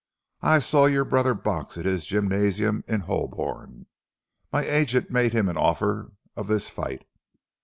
"I saw your brother box at his gymnasium in Holborn. My agent made him the offer of this fight.